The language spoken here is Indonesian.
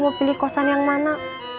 mau pilih kosan yang mana